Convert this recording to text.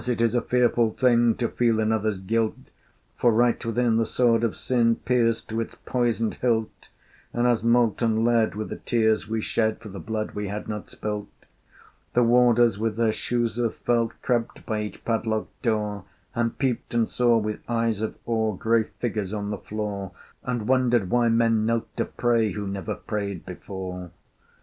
it is a fearful thing To feel another's guilt! For, right within, the sword of Sin Pierced to its poisoned hilt, And as molten lead were the tears we shed For the blood we had not spilt. The Warders with their shoes of felt Crept by each padlocked door, And peeped and saw, with eyes of awe, Grey figures on the floor, And wondered why men knelt to pray Who never prayed before.